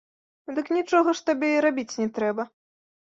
Дык нічога ж табе і рабіць не трэба.